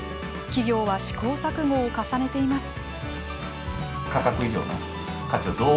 企業は試行錯誤を重ねています。